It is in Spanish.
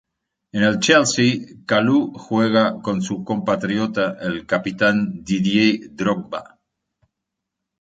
En el Chelsea, Kalou juega con su compatriota, el capitán Didier Drogba.